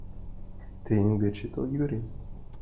Тыйын верчет ойгырем: